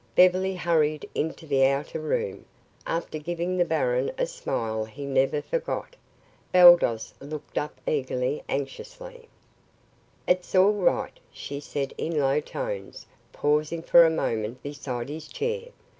Beverly hurried into the outer room, after giving the baron a smile he never forgot. Baldos looked up eagerly, anxiously. "It's all right," she said in low tones, pausing for a moment beside his chair.